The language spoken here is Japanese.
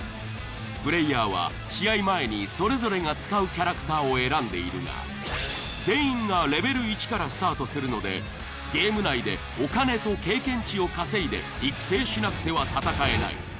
プレイヤーは試合前にそれぞれが使うキャラクターを選んでいるが全員がレベル１からスタートするのでゲーム内でおカネと経験値を稼いで育成しなくては戦えない。